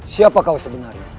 siapa kau sebenarnya